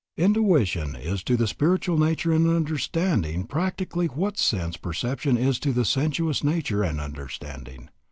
"Intuition is to the spiritual nature and understanding practically what sense perception is to the sensuous nature and understanding.